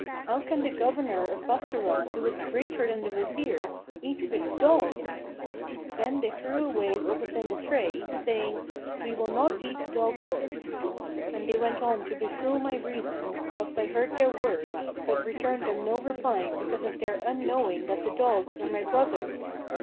How can the governor of Bassorah who is greater than the Wazir, eat with dogs?' Then they threw away what was in the tray, saying, 'We will not eat the dogs' orts.' And they went on to befool my reason, whilst I heard their words, but returned them no reply because of their unknowing that the dogs were my brothers.